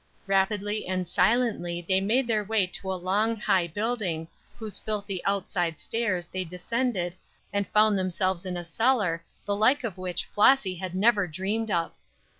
Rapidly and silently they made their way to a long, high building, whose filthy outside stairs they descended and found themselves in a cellar the like of which Flossy had never dreamed of.